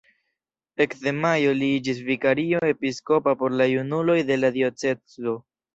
Ekde majo li iĝis vikario episkopa por la junuloj de la diocezo.